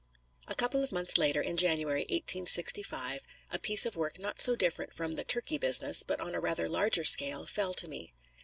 A couple of months later, in January, 1865, a piece of work not so different from the "turkey business," but on a rather larger scale, fell to me.